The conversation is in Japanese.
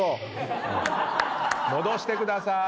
戻してください。